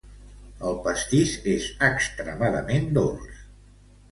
El pastís és extremament dolç.